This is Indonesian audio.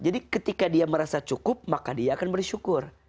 jadi ketika dia merasa cukup maka dia akan bersyukur